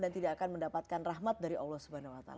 dan tidak akan mendapatkan rahmat dari allah swt